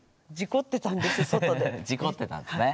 事故ってたんですね